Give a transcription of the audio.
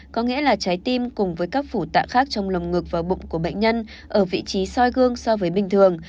có nghĩa là trái tim cùng với các phủ tạng khác trong lòng ngược và bụng của bệnh nhân ở vị trí soi gương so với bình thường